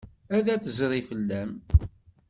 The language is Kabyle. Ad d-tezri fell-am.